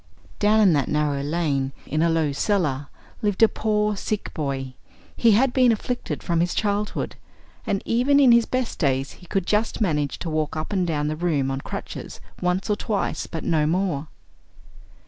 "Down in that narrow lane, in a low cellar, lived a poor sick boy; he had been afflicted from his childhood, and even in his best days he could just manage to walk up and down the room on crutches once or twice, but no more.